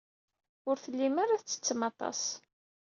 Ur tellim ara tettettem aṭas.